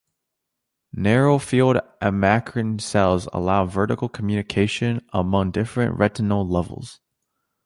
Narrow field amacrine cells allow vertical communication among different retinal levels.